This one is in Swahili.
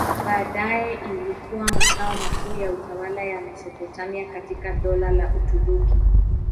Baadaye ilikuwa makao makuu ya utawala wa Mesopotamia katika Dola la Uturuki.